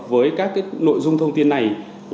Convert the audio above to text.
với các nội dung thông tin này